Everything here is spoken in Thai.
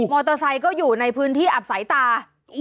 อเตอร์ไซค์ก็อยู่ในพื้นที่อับสายตา